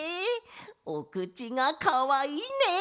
おくちがかわいいね！